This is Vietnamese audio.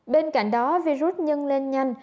bên cạnh đó virus nhân lên nhanh